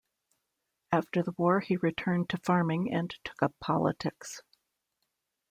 After the war he returned to farming and took up politics.